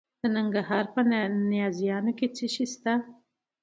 د ننګرهار په نازیانو کې څه شی شته؟